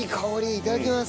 いただきます。